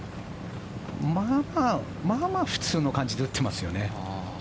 まあまあ普通の感じで打ってますよね。